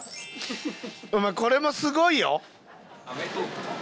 これもすごいよ。